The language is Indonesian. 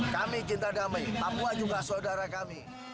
kami cinta damai papua juga saudara kami